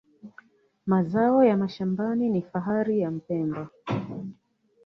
Mazao ya mashambani ni fakhari ya Mpemba